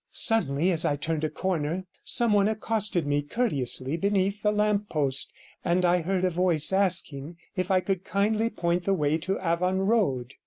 Suddenly, as I turned a corner, some one accosted me courteously beneath the lamp post, and I heard a voice asking if I could kindly point the way to Avon Road.